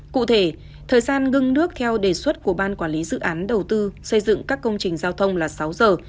cụ thể thời gian ngưng nước theo đề xuất của ban quản lý dự án đầu tư xây dựng các công trình giao thông là sáu giờ